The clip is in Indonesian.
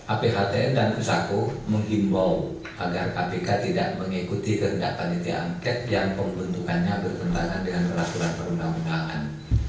aphtn dan pusako menghimbau agar kpk tidak mengikuti kehendak panitia angket yang pembentukannya bertentangan dengan peraturan perundang undangan